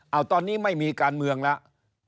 เอาตอนนี้ไม่มีการเมืองแล้ว